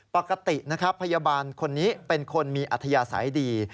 ปกตินะครับพยาบาลคนนี้เป็นคนมีอัธยาศัยดี